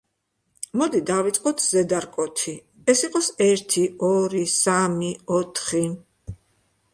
მოდი დავიწყოთ ზედა რკოთი: ეს იყოს ერთი, ორი, სამი, ოთხი.